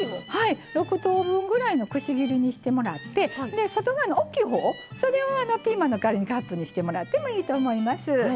６等分ぐらいの串義理にしてもらって外側の大きいほうをピーマンの代わりにカップにしてもらってもいいと思います。